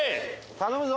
頼むぞ。